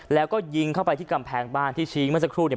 แล้วก็ยิงเข้าไปที่กำแพงบ้านที่ชี้เมื่อสักครู่เนี่ย